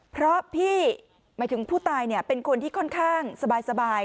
เพราะพี่หมายถึงผู้ตายเป็นคนที่ค่อนข้างสบาย